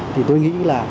thì tôi nghĩ là